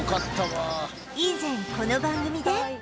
以前この番組で